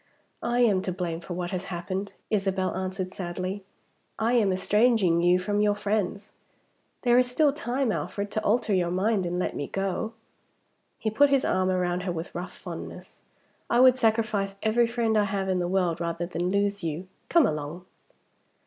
"I am to blame for what has happened," Isabel answered sadly. "I am estranging you from your friends. There is still time, Alfred, to alter your mind and let me go." He put his arm round her with rough fondness. "I would sacrifice every friend I have in the world rather than lose you. Come along!"